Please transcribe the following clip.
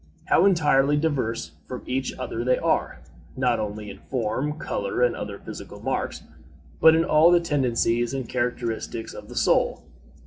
How entirely diverse from each other they are, not only in form, color, and other physical marks, but in all the tendencies and characteristics of the soul!